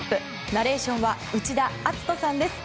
ナレーションは内田篤人さんです。